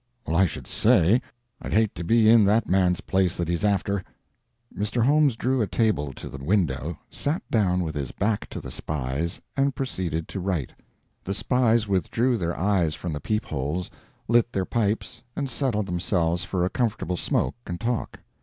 "Well, I should say! I'd hate to be in that man's place that he's after." Mr. Holmes drew a table to the window, sat down with his back to the spies, and proceeded to write. The spies withdrew their eyes from the peep holes, lit their pipes, and settled themselves for a comfortable smoke and talk.